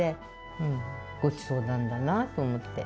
うん、ごちそうなんだなぁと思って。